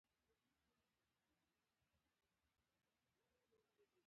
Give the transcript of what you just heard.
مجرمین محاکمه کیږي.